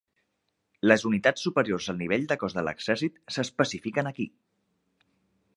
Les unitats superiors al nivell de cos de l'exèrcit s'especifiquen aquí.